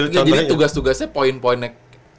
jadi tugas tugasnya poin poinnya